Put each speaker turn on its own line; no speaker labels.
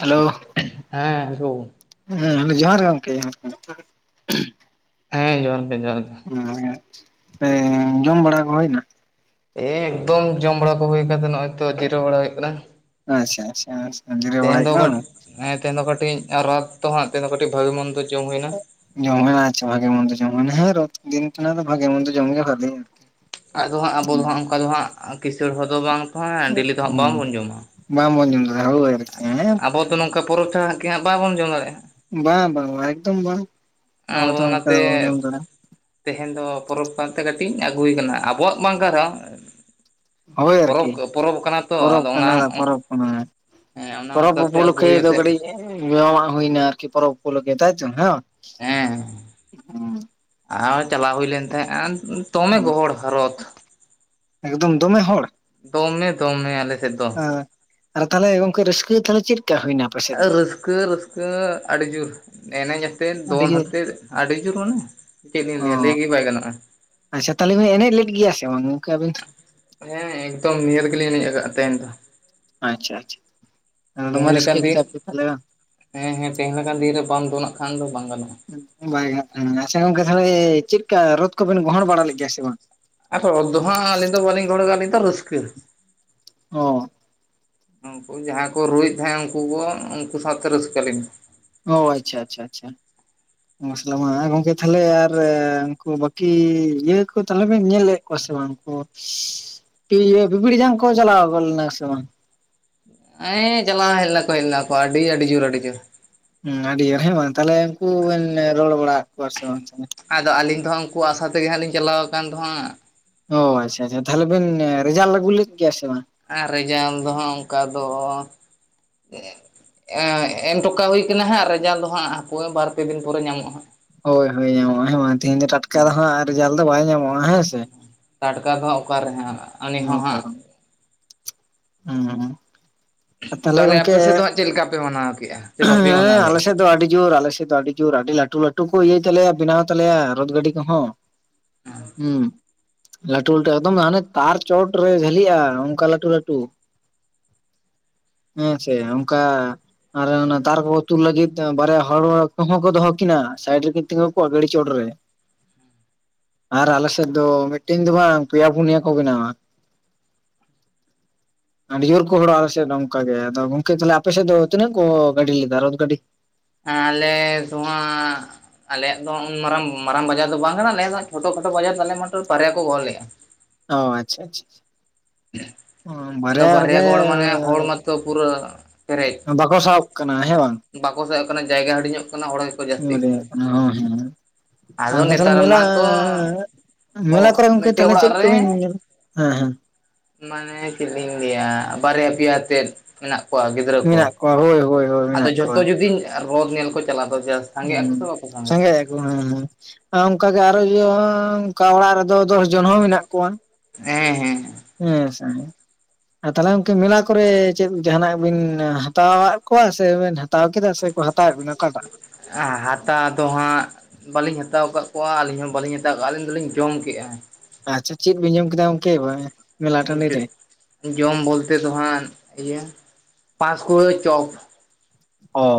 Hello
ᱦᱮᱸ ᱜᱳ
ᱦᱮᱸ ᱡᱚᱦᱟᱨ ᱜᱮ ᱜᱚᱢᱠᱮ
ᱦᱮᱸ ᱡᱚᱦᱟᱨ ᱜᱮ, ᱡᱚᱦᱟᱨ ᱜᱮ
ᱦᱮᱸ ᱡᱚᱢ ᱵᱟᱲᱟ ᱠᱚ ᱦᱩᱭᱮᱱᱟ
ᱮᱠᱫᱚᱢ ᱡᱚᱢ ᱵᱟᱲᱟ ᱠᱚ ᱦᱩᱭ ᱠᱟᱱᱛᱮ ᱱᱚᱜᱼᱚᱭ ᱛᱚ ᱡᱤᱨᱟᱹᱣ ᱵᱟᱲᱟ ᱦᱩᱭᱩᱜ ᱠᱟᱱᱟ᱾
ᱟᱪᱪᱷᱟ ᱟᱪᱪᱷᱟ ᱟᱪᱪᱷᱟ ᱡᱤᱨᱟᱹᱣ ᱵᱟᱲᱟᱭ
ᱛᱮᱦᱮᱧ ᱫᱚ
ᱦᱩᱭᱩᱜ ᱠᱟᱱᱟ ᱵᱟᱝ?
[inaudible] ᱛᱮᱦᱮᱧ ᱫᱚ ᱠᱟᱹᱴᱤᱡ ᱨᱚᱛᱷ ᱛᱚ ᱦᱟᱸᱜ ᱛᱮᱦᱮᱧ ᱫᱚ ᱠᱟᱹᱴᱤᱡ ᱵᱷᱟᱹᱜᱤ ᱢᱚᱱᱫᱚ ᱡᱚᱢ ᱦᱩᱭᱱᱟ᱾
ᱡᱚᱢ [unintelligible] ᱵᱷᱟᱜᱮ ᱢᱚᱱᱫᱚ ᱡᱚᱢ ᱦᱳᱭᱱᱟ ᱨᱚᱛᱷ ᱫᱤᱱ ᱠᱟᱱᱟ ᱛᱚ ᱵᱷᱟᱜᱮ ᱢᱚᱱᱫᱚ ᱡᱚᱢ ᱜᱮ ᱵᱷᱟᱜᱮᱭᱟ᱾
ᱟᱫᱚ ᱦᱟᱸᱜ ᱟᱵᱚ ᱫᱚ ᱦᱟᱸᱜ ᱚᱱᱠᱟ ᱫᱚ ᱦᱟᱸᱜ ᱠᱤᱥᱟᱹᱲ ᱦᱚᱲ ᱫᱚ ᱵᱟᱝ ᱦᱮ ᱰᱮᱞᱤ ᱫᱚ ᱦᱟᱸᱜ ᱵᱟᱝᱵᱚᱱ ᱡᱚᱢᱟ᱾
ᱵᱟᱝ ᱵᱚᱱ ᱡᱚᱢ ᱫᱟᱲᱮᱭᱟᱜᱼᱟ ᱦᱳᱭ ᱟᱨᱠᱤ ᱦᱮᱸ
ᱟᱵᱚᱻ ᱛᱚ ᱱᱚᱝᱠᱟ ᱯᱚᱨᱚᱴᱟ ᱜᱮ ᱦᱟᱸᱜ ᱵᱟᱵᱚᱱ ᱡᱚᱢ ᱫᱟᱲᱮᱭᱟᱜᱼᱟ
ᱵᱟ ᱵᱟᱝ ᱵᱟ ᱮᱫᱚᱢ ᱵᱟ, ᱟᱵᱚ ᱫᱚ ᱚᱱᱠᱟ [inaudible]
ᱛᱮᱦᱮᱧ ᱫᱚ ᱯᱚᱨᱚᱵᱽ ᱠᱟᱱ ᱛᱮ ᱠᱟᱹᱴᱤᱡ ᱟᱹᱜᱩᱭ ᱟᱠᱟᱱᱟ ᱟᱵᱚᱣᱟᱜ ᱵᱟᱝ ᱠᱟᱱ ᱨᱮᱦᱚᱸ
ᱦᱳᱭ
ᱯᱚᱨᱚᱵᱽ
ᱟᱨᱠᱤ
ᱯᱚᱨᱚᱵᱽ ᱠᱟᱱᱟ ᱛᱚ
ᱯᱚᱨᱚᱵ
ᱟᱫᱚ ᱚᱱᱟ
ᱠᱟᱱᱟ ᱫᱟ ᱯᱚᱨᱚᱵ ᱠᱟᱱᱟ
ᱦᱮᱸ ᱚᱱᱟ
ᱯᱚᱨᱚᱵᱽ
ᱚᱱᱠᱟᱛᱮ ᱟᱹᱜᱩ
ᱩᱯᱚᱞᱚᱠᱠᱷᱮ ᱫᱚ
ᱠᱟᱛᱮᱫ
ᱠᱟᱹᱴᱤᱡ ᱧᱩ-ᱟᱜ ᱦᱩᱭᱱᱟ ᱟᱨᱠᱤ ᱯᱚᱨᱚᱵᱽ ᱩᱯᱚᱞᱚᱠᱠᱷᱮ ᱛᱟᱭᱛᱚ ᱦᱮᱸ ᱵᱟᱝ
ᱦᱮᱸ ᱟᱨ ᱪᱟᱞᱟᱣ ᱦᱩᱭ ᱞᱮᱱ ᱛᱟᱦᱮᱸᱼᱟ ᱛᱚᱢᱮ ᱜᱚᱦᱚᱲ ᱦᱟᱨᱚᱛ
ᱮᱠᱫᱚᱢ ᱫᱚᱢᱮ ᱦᱚᱲ
ᱫᱚᱢᱮ ᱫᱚᱢᱮ ᱟᱞᱮ ᱥᱮᱫ ᱫᱚ
ᱚᱻᱟᱨ ᱛᱟᱦᱚᱞᱮ ᱜᱚᱝᱠᱮ ᱨᱟᱹᱥᱠᱟᱹ ᱛᱟᱦᱚᱞᱮ ᱪᱮᱫᱠᱟ ᱦᱩᱭᱱᱟ? ᱟᱯᱮ ᱥᱮᱫ ᱫᱚ
ᱨᱟᱹᱥᱠᱟᱹ ᱨᱟᱹᱥᱠᱟᱹ ᱟᱹᱰᱤ ᱡᱳᱨ ᱮᱱᱮᱡ ᱛᱮᱫ
ᱟᱹᱰᱤ
ᱫᱚᱱ
ᱡᱳᱨ
ᱟᱛᱮᱫ ᱟᱹᱰᱤ ᱡᱳᱨ ᱢᱟᱱᱮ ᱪᱮᱫ ᱞᱤᱧ
ᱚ
ᱞᱟᱹᱭᱟ, ᱞᱟᱹᱭᱜᱮ ᱵᱟᱭ ᱜᱟᱱᱚᱜᱼᱟ᱾
ᱟᱪᱪᱷᱟ ᱛᱟᱦᱚᱞᱮ ᱵᱤᱱ ᱮᱱᱮᱡ ᱞᱮᱫ ᱜᱮᱭᱟ, ᱥᱮ ᱵᱟᱝ ᱜᱚᱢᱠᱮ ᱟᱵᱤᱱ ᱫᱚ?
ᱦᱮᱸ ᱮᱠᱫᱚᱢ ᱱᱤᱭᱟᱹ ᱨᱮ ᱜᱮᱞᱤᱧ ᱟᱛᱮᱱ ᱫᱟ᱾
ᱟᱪᱪᱷᱟ ᱟᱪᱪᱷᱟ
ᱛᱮᱦᱮᱧ
ᱫᱚᱢᱮ
ᱞᱮᱠᱟᱱ
ᱨᱟᱹᱥᱠᱟᱹ
ᱫᱤᱱ
ᱠᱮᱫᱟ ᱯᱮ ᱛᱟᱦᱚᱞᱮ ᱵᱟᱝ
ᱨᱮ, ᱦᱮᱸ ᱦᱮᱸ ᱛᱮᱦᱮᱧ ᱞᱮᱠᱟᱱ ᱫᱤᱱ ᱨᱮ ᱯᱟᱱ ᱫᱚ ᱱᱟᱜ ᱠᱷᱟᱱ ᱫᱚ ᱵᱟᱝ ᱜᱟᱱᱚᱜᱼᱟ᱾
ᱵᱟᱭ ᱜᱟᱱᱚᱜ ᱠᱟᱱᱟ᱾ ᱟᱪᱪᱷᱟ ᱜᱚᱝᱠᱮ ᱛᱟᱦᱚᱞᱮ ᱪᱮᱫ ᱠᱟ ᱨᱳᱫ ᱠᱚᱵᱮᱱ ᱜᱚᱦᱚᱲ ᱵᱟᱲᱟ ᱞᱮᱫ ᱜᱮᱭᱟ ᱥᱮ ᱵᱟᱝ?
ᱟᱫᱚ ᱨᱚᱫ ᱫᱚ ᱦᱟᱸᱜ ᱟᱹᱞᱤᱧ ᱫᱚ ᱵᱟᱞᱤᱧ ᱜᱚᱦᱚ ᱲᱫᱟ, ᱟᱹᱞᱤᱧ ᱫᱚ ᱨᱟᱹᱥᱠᱟᱹ
ᱚ
ᱩᱱᱠᱩ ᱡᱟᱦᱟᱸᱭ ᱠᱚ ᱨᱩᱭᱮᱫ ᱛᱟᱦᱮᱸ ᱩᱱᱠᱩ ᱠᱚ ᱩᱱᱠᱩ ᱥᱟᱶᱛᱮ ᱨᱟᱹᱥᱠᱟᱹ ᱞᱤᱧ ᱢᱮ
ᱚ ᱟᱪᱪᱷᱟ ᱟᱪᱪᱷᱟ ᱟᱪᱪᱷᱟ ᱢᱚᱥᱞᱟ ᱢᱟ, ᱦᱮᱸ ᱜᱚᱝᱠᱮ ᱛᱟᱦᱚᱞᱮ ᱟᱨ ᱩᱱᱠᱩ ᱵᱟᱹᱠᱤ ᱤᱭᱟᱹ ᱠᱚ ᱛᱟᱦᱚᱞᱮ ᱵᱮᱱ ᱧᱮᱞᱮᱫ ᱠᱚᱣᱟ ᱥᱮ ᱵᱟᱝ ᱵᱤᱯᱤᱲ ᱡᱟᱝ ᱠᱚ ᱪᱟᱞᱟᱣ ᱞᱮᱱᱟ ᱥᱮ ᱵᱟᱝ?
ᱮᱸ ᱪᱟᱞᱟᱜᱼᱟ ᱦᱮᱡᱱᱟᱠᱚ ᱦᱮᱡᱱᱟᱠᱚ ᱟᱹᱰᱤ, ᱟᱹᱰᱤ ᱡᱳᱨ ᱟᱹᱰᱤ ᱡᱳᱨ
ᱦᱩᱸ ᱟᱹᱰᱤ ᱦᱮ ᱵᱟᱝ ᱛᱟᱦᱚᱞᱮ ᱩᱱᱠᱩ ᱵᱮᱱ ᱨᱚᱲ ᱵᱟᱲᱟ ᱠᱚᱣᱟ ᱥᱮ ᱵᱟᱝ?
ᱟᱫᱚ ᱟᱹᱞᱤᱧ ᱫᱚ ᱦᱟᱸᱜ ᱩᱱᱠᱩᱭᱟᱜ ᱟᱥᱟ ᱛᱮᱜᱮ ᱦᱟᱸᱜ ᱞᱤᱧ ᱪᱟᱞᱟᱣ ᱟᱠᱟᱱ ᱫᱚ ᱦᱟᱸᱜ
ᱚ ᱟᱪᱪᱷᱟ ᱟᱪᱪᱷᱟ ᱛᱟᱦᱮᱞᱮ ᱵᱮᱱ ᱨᱮᱡᱟᱞ ᱟᱹᱜᱩᱞᱮᱜ ᱜᱮᱭᱟ ᱥᱮ ᱵᱟᱝ?
ᱟᱨ ᱨᱮᱡᱟᱞ ᱫᱚ ᱦᱟᱸᱜ ᱚᱱᱠᱟ ᱫᱚ ᱮᱻᱮᱢᱴᱚᱠᱟ ᱦᱩᱭ ᱠᱟᱱᱟ ᱦᱟᱸᱜ ᱨᱮᱡᱟᱞᱴ ᱫᱚ ᱦᱟᱸᱜ ᱵᱟᱨ ᱯᱮ ᱫᱤᱱ ᱯᱚᱨᱮ ᱧᱟᱢᱚᱜ ᱦᱟᱸᱜ᱾
ᱦᱳᱭ ᱦᱳᱭ ᱧᱟᱢᱚᱜᱼᱟ ᱦᱮ ᱵᱟᱝ ᱛᱤᱦᱤᱧ ᱫᱚ ᱴᱟᱴᱠᱟ ᱫᱚ ᱦᱟᱸᱜ ᱨᱮᱡᱟᱞ ᱫᱚ ᱵᱟᱭ ᱧᱟᱢᱚᱜᱼᱟ ᱦᱮᱸ ᱥᱮ
ᱴᱟᱴᱠᱟ ᱫᱚ ᱚᱠᱟᱨᱮ ᱦᱟᱸᱜ ᱟᱞᱤᱧ ᱦᱚᱸ
ᱤᱱᱟᱹ
ᱦᱟᱸᱜ
ᱠᱟᱨᱚᱱ ᱦᱩᱸ
ᱛᱟᱦᱚᱞᱮ ᱟᱯᱮ ᱥᱮᱫ ᱫᱚ ᱦᱟᱸᱜ ᱪᱮᱫ ᱞᱮᱠᱟ ᱯᱮ ᱢᱟᱱᱟᱣ ᱠᱮᱫᱼᱟ? ᱥᱮ ᱵᱟᱯᱮ ᱢᱟᱱᱟᱣ
ᱦᱮᱸ ᱟᱞᱮ
ᱞᱮᱫᱼᱟ
ᱥᱮᱫ ᱫᱚ ᱟᱹᱰᱤ ᱡᱳᱨ ᱟᱞᱮ ᱥᱮᱫ ᱫᱚ ᱟᱹᱰᱤ ᱡᱳᱨ, ᱟᱹᱰᱤ ᱞᱟᱹᱴᱩ ᱞᱟᱹᱴᱩ ᱠᱚ ᱤᱭᱟᱹᱭ ᱛᱟᱞᱮᱭᱟ ᱵᱮᱱᱟᱣ ᱛᱟᱞᱮᱭᱟ, ᱨᱚᱛ ᱜᱟᱹᱰᱤ ᱠᱚᱦᱚᱸ ᱦᱩᱸ ᱞᱟᱹᱴᱩ ᱞᱟᱹᱴᱩ ᱮᱠᱫᱚᱢ ᱦᱟᱱᱮ ᱛᱟᱨ ᱪᱚᱴᱨᱮ ᱡᱷᱟᱹᱞᱤᱜᱼᱟ᱾ᱚᱱᱠᱟ ᱞᱟᱹᱴᱩ ᱞᱟᱹᱴᱩ ᱦᱮᱸ ᱥᱮ ᱚᱱᱠᱟ ᱟᱨ ᱚᱱᱟ ᱛᱟᱨ ᱠᱚ ᱛᱩᱞ ᱞᱟᱹᱜᱤᱫ ᱛᱮ ᱵᱟᱨᱭᱟ ᱦᱚᱲ ᱠᱚᱦᱚᱸ ᱠᱚ ᱫᱚᱦᱚ ᱠᱤᱱᱟ ᱥᱟᱭᱤᱴ ᱨᱮᱠᱤᱱ ᱛᱤᱸᱜᱩ ᱠᱚᱜᱼᱟ, ᱜᱟᱹᱰᱤ ᱪᱚᱴ ᱨᱮ [inaudible] ᱟᱨ ᱟᱞᱮ ᱥᱮᱫ ᱫᱚ ᱢᱤᱫᱴᱮᱱ ᱫᱚ ᱵᱟᱝ ᱯᱮᱭᱟ ᱯᱩᱱᱭᱟᱹ ᱠᱚ ᱵᱮᱱᱟᱣᱟ᱾ ᱟᱹᱰᱤ ᱡᱳᱨ ᱠᱚ ᱦᱚᱲᱚᱼᱟ᱾ᱟᱯᱮ ᱥᱮᱫ ᱱᱚᱝᱠᱟ ᱜᱮ᱾ᱟᱫᱚ ᱜᱚᱝᱠᱮ ᱛᱟᱦᱮ ᱟᱯᱮ ᱥᱮᱫ ᱫᱚ? ᱛᱤᱱᱟᱹᱜ ᱠᱚ ᱜᱟᱹᱰᱤ ᱞᱤᱫᱟ ᱨᱚᱛ ᱜᱟᱹᱰᱤ
ᱟᱞᱮ ᱫᱚ ᱦᱟᱸᱜ ᱟᱞᱮᱭᱟᱜ ᱫᱚ ᱢᱟᱨᱟᱝ ᱢᱟᱨᱟᱝ ᱵᱟᱡᱟᱨ ᱫᱚ ᱵᱟᱝ ᱠᱟᱱᱟ ᱟᱞᱮᱭᱟᱜ ᱫᱚ ᱪᱷᱳᱴᱳ ᱠᱷᱟᱴᱳ ᱵᱟᱡᱟᱨ ᱛᱟᱞᱮ ᱢᱟᱛᱨᱚ ᱵᱟᱨᱭᱟ ᱠᱚ ᱜᱚᱦᱚᱨ ᱞᱮᱫᱼᱟ᱾
ᱚ ᱟᱪᱪᱷᱟ ᱟᱪᱪᱷᱟ
ᱟᱫᱚ
ᱚᱻᱵᱟᱨᱭᱟ
ᱵᱟᱨᱭᱟ
ᱨᱮᱜᱮ
ᱜᱚᱲ ᱢᱟᱱᱮ ᱦᱚᱲ ᱢᱟᱛᱚ ᱯᱩᱨᱟᱹ ᱯᱮᱨᱮᱡ
ᱵᱟᱠᱚ ᱥᱟᱦᱟᱵ ᱠᱟᱱᱟ ᱦᱮᱸ ᱵᱟᱝ
ᱵᱟᱠᱚ ᱥᱚᱦᱚᱜ ᱠᱟᱱᱟ ᱡᱟᱭᱜᱟ ᱦᱩᱲᱤᱧᱚᱜ ᱠᱟᱱᱟ ᱦᱟᱲ
[inaudible] ᱠᱟᱱᱟ ᱦᱚᱸ ᱦᱮᱸ
ᱟᱫᱚ
[unintelligible]
ᱱᱮᱛᱟᱨ
ᱢᱮᱞᱟᱻ
ᱢᱟᱛᱚ
ᱢᱮᱞᱟ
ᱚ
ᱠᱚᱨᱮ ᱜᱚᱢᱠᱮ
ᱢᱤᱫᱴᱮᱡ
ᱛᱟᱦᱚᱞᱮ
ᱚᱲᱟᱜ
ᱪᱮᱫ
ᱨᱮ
ᱠᱚᱵᱤᱱ ᱧᱮᱞᱟ? ᱦᱮᱸ ᱦᱮᱸ
ᱢᱟᱱᱮ ᱪᱮᱫ ᱞᱤᱧ ᱞᱟᱹᱭᱟ ᱵᱟᱨᱭᱟ ᱯᱮᱭᱟᱛᱮᱫ ᱢᱮᱱᱟᱜ ᱠᱚᱣᱟ ᱜᱤᱫᱽᱨᱟᱹ ᱠᱚ,
ᱢᱮᱱᱟᱜ ᱠᱚᱣᱟ ᱦᱳᱭ ᱦᱳᱭ ᱦᱳᱭ
ᱟᱫᱚ
ᱢᱮᱱᱟᱜ ᱠᱚᱣᱟ
ᱡᱷᱚᱛᱚ ᱡᱩᱫᱤ ᱨᱚᱛ ᱧᱮᱞ ᱠᱚ ᱪᱟᱞᱟᱜ ᱫᱚ ᱡᱟᱥ
[unintelligible] ᱦᱮᱸ ᱚᱱᱠᱟᱜ ᱜᱮ ᱟᱨᱚ ᱚᱱᱠᱟ ᱚᱲᱟᱜ ᱨᱮᱫᱚ ᱫᱚᱥ ᱡᱚᱱ ᱦᱚᱸ ᱢᱮᱱᱟᱜ ᱠᱚᱣᱟ᱾
ᱦᱮᱸ ᱦᱮᱸ
ᱦᱮᱸ ᱥᱟᱦᱮᱸ ᱟᱨ ᱛᱟᱦᱚᱞᱮ ᱜᱚᱝᱠᱮ ᱢᱮᱞᱟ ᱠᱚᱨᱮ ᱪᱮᱫ ᱡᱟᱦᱟᱱᱟᱜ ᱵᱤᱱ ᱦᱟᱛᱟᱣᱫ ᱠᱚᱣᱟ ᱥᱮᱵᱤᱱ ᱦᱟ? ᱦᱟᱛᱟᱣ ᱠᱮᱫᱟ ᱥᱮᱠᱚ ᱦᱟᱛᱟᱣᱮᱫ ᱵᱮᱱᱟ ᱚᱠᱟᱴᱟᱜ?
ᱦᱟᱛᱟᱣ ᱫᱚ ᱦᱟᱸᱜ ᱵᱟᱹᱞᱤᱧ ᱦᱟᱛᱟᱣ ᱟᱠᱟᱫ ᱠᱚᱣᱟ ᱟᱹᱞᱤᱧ ᱦᱚᱸ ᱵᱟᱹᱞᱤᱧ ᱦᱟᱛᱟᱣ ᱠᱟᱜ-ᱟ ᱟᱹᱞᱤᱧ ᱫᱚᱞᱤᱧ ᱡᱚᱢ ᱠᱮᱜ-ᱟ ᱡᱚᱸ
ᱟᱪᱷᱟ ᱪᱮᱫ ᱵᱤᱱ ᱡᱚᱢ ᱠᱮᱫᱟ ᱜᱚᱝᱠᱮ ᱮᱸ?
ᱡᱚᱢ ᱵᱚᱞᱛᱮ ᱫᱚᱦᱟᱸ ᱤᱭᱟᱹ ᱯᱟᱸᱥᱠᱩᱲᱟᱹ ᱡᱚᱢ ᱾
ᱦᱚ